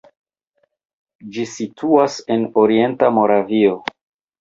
Ĝi situas en orienta Moravio.